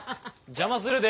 邪魔するで。